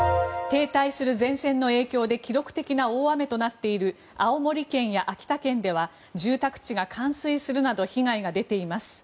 停滞する前線の影響で記録的な大雨となっている青森県や秋田県では住宅地が冠水するなど被害が出ています。